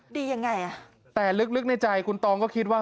ดียังไงอ่ะแต่ลึกในใจคุณตองก็คิดว่า